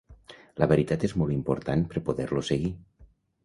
La veritat és molt important per poder-lo seguir.